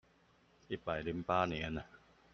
一百零八年